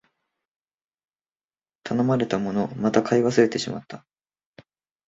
頼まれたもの、また買い忘れてしまった